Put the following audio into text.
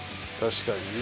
確かに。